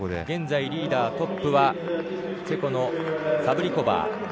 現在リーダー、トップはチェコのサブリコバー。